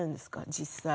実際。